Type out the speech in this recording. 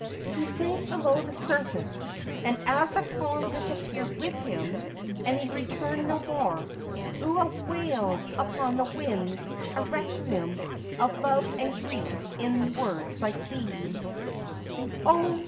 He sank below the surface, and, as the column disappeared with him and he returned no more, Ua wailed upon the winds a requiem of love and grief in words like these: "Oh!